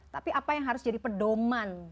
tapi apa yang harus jadi pedoman